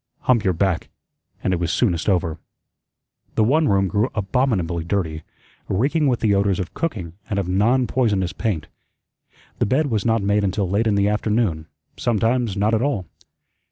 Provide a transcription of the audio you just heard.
Hump your back, and it was soonest over. The one room grew abominably dirty, reeking with the odors of cooking and of "non poisonous" paint. The bed was not made until late in the afternoon, sometimes not at all.